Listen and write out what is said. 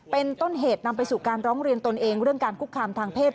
เป็นต้นเหตุนำไปสู่การร้องเรียนตนเองเรื่องการคุกคามทางเพศ